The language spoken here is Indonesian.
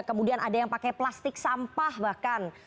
kemudian ada yang pakai plastik sampah bahkan